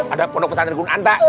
ada pondok pesan di gunung antak